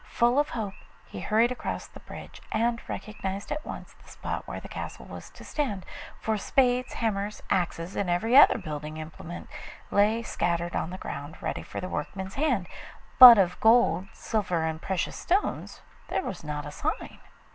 Full of hope he hurried across the bridge, and recognised at once the spot where the castle was to stand, for spades, hammers, axes, and every other building implement lay scattered on the ground ready for the workman's hand, but of gold, silver, and precious stones there was not a sign.